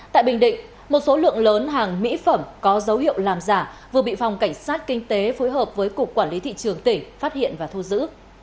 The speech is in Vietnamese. tại bình định một số lượng lớn hàng mỹ phẩm có dấu hiệu làm giả vừa bị phòng cảnh sát kinh tế phối hợp với cục quản lý thị trường tỉnh phát hiện và thu giữ